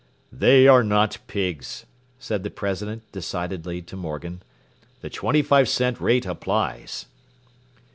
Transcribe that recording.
“They are not pigs,” said the president, decidedly, to Morgan. “The twenty five cent rate applies.